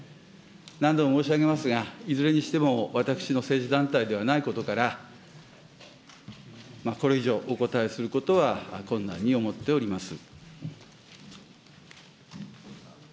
何度も申し上げますが、いずれにしても私の政治団体ではないことから、これ以上、お答えすることは困難に思っております。